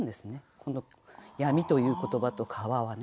この闇という言葉と川はね。